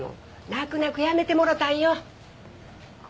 泣く泣く辞めてもろたんよ。